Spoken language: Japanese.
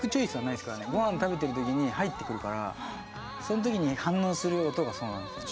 御飯食べてる時に入ってくるからその時に反応する音がそうなんですよね。